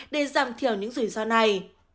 để giảm thiểu những rủi ro này